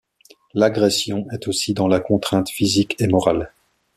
L'agression est aussi dans la contrainte physique et morale.